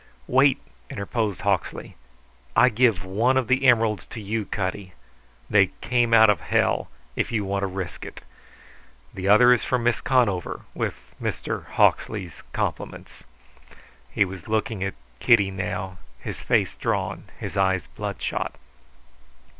"Wait!" interposed Hawksley. "I give one of the emeralds to you, Cutty. They came out of hell if you want to risk it! The other is for Miss Conover, with Mister Hawksley's compliments." He was looking at Kitty now, his face drawn, his eyes bloodshot.